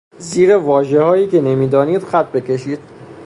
زیر واژههایی که نمیدانید خط بکشید.